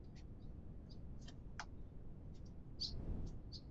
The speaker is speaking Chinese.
倪三最终也与追捕他的朝廷捕头同归于尽。